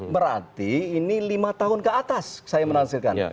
berarti ini lima tahun ke atas saya menafsirkan